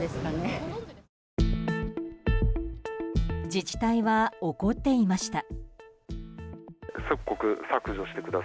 自治体は怒っていました。